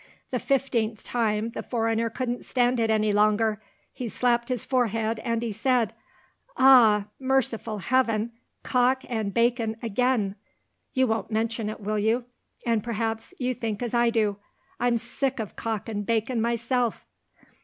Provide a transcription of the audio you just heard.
The fifteenth time, the foreigner couldn't stand it any longer. He slapped his forehead, and he said, 'Ah, merciful Heaven, cock and bacon again!' You won't mention it, will you? and perhaps you think as I do? I'm sick of cock and bacon, myself."